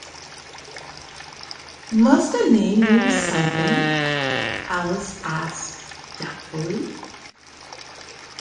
‘Must a name mean something?’ Alice asked doubtfully.